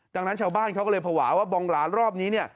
ดังนั้นชาวบ้านเขาก็เลยภาวะว่าบองหลานรอบนี้เนี่ย